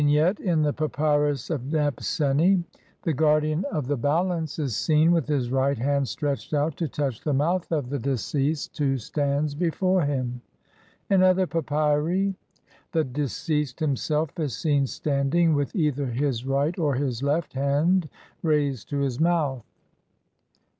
] Vignette: In the Papyrus of Nebscni (sheet 5), the "Guardian of the Balance'' is seen with his right hand stretched out to touch the mouth of the deceased who stands before him. In other papyri (Naville, Todten buch, Bd. 1. Bl. 33) the deceased himself is seen standing with either his right or his left hand raised to his mouth.